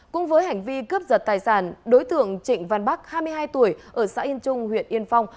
cùng với hành vi cướp giật tài sản đối tượng trịnh văn bắc hai mươi hai tuổi ở xã yên trung huyện yên phong